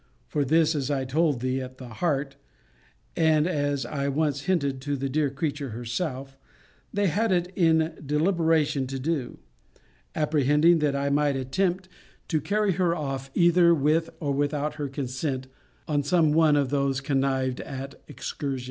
* For this, as I told thee at the Hart, and as I once hinted to the dear creature herself, they had it in deliberation to do; apprehending, that I might attempt to carry her off, either with or without her consent, on some one of those connived at excursions.